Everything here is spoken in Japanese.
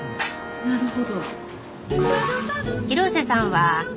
なるほど。